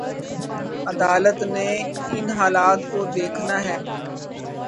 عدالت نے اُن حالات کو دیکھنا ہے